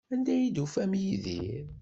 Anda ay d-tufam Yidir?